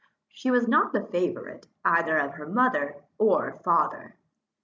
She was not the favourite either of her father or mother.